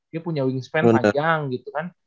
dia punya wingspan panjang gitu kan